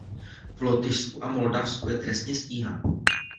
V Lotyšsku a Moldavsku je trestně stíhán.